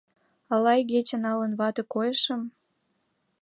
— Ала игече налын вате койышым?